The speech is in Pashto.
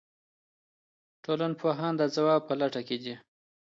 ټولنپوهان د ځواب په لټه کې دي.